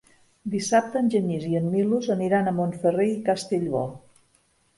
Dissabte en Genís i en Milos aniran a Montferrer i Castellbò.